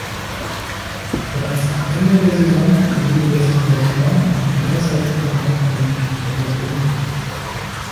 Bereits am Ende der Saison wurde das Engagement „im beiderseitigen Einvernehmen“ wieder beendet.